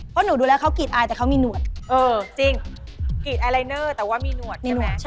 เพราะหนูดูแล้วเค้ากรีดไอร์แต่เค้ามีหนวด